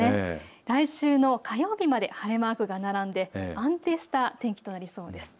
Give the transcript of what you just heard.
来週の火曜日まで晴れマークが並んで安定した天気となりそうです。